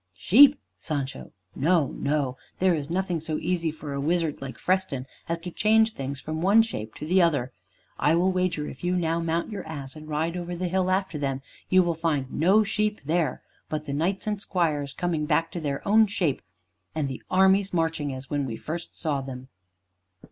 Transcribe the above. "Sheep! Sancho. No, no! There is nothing so easy for a wizard like Freston as to change things from one shape to the other. I will wager if you now mount your ass and ride over the hill after them, you will find no sheep there, but the knights and squires come back to their own shape, and the armies marching as when we first saw them."